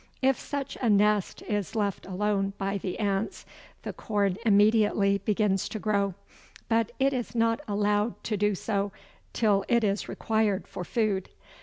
If such a nest is left alone by the ants, the corn immediately begins to grow, but it is not allowed to do so till it is required for food.